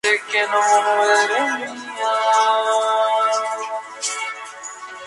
La internacionalización de la Jota es el nuevo objetivo de Carmen París.